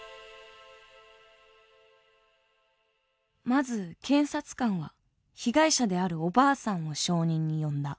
まず検察官は被害者であるおばあさんを証人に呼んだ。